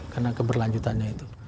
karena keberlanjutannya itu